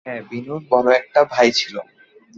হ্যাঁ, বিনুর বড় একটা ভাই ছিল।